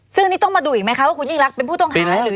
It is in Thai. ซึ่งอันนี้ต้องมาดูอีกไหมคะว่าคุณยิ่งรักเป็นผู้ต้องหาหรือ